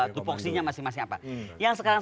tupoksinya masing masing apa yang sekarang